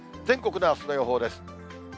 全国のあすの予報です。